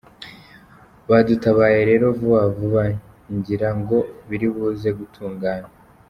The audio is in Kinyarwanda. Badutabaye rero vuba vuba, ngira ngo biri buze gutungana.